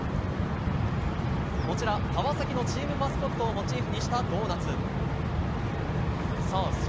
こちら、川崎のチームマスコットをモチーフにしたドーナツ。